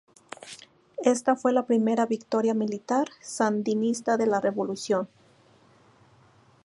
Esta fue la primera victoria militar sandinista de la revolución.